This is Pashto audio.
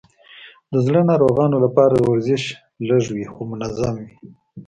د زړه ناروغانو لپاره ورزش لږ وي، خو منظم وي.